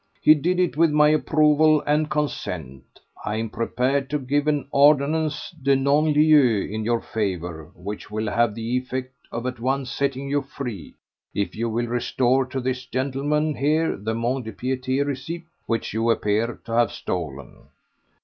He did it with my approval and consent. I am prepared to give an ordonnance de non lieu in your favour which will have the effect of at once setting you free if you will restore to this gentleman here the Mont de Piété receipt which you appear to have stolen."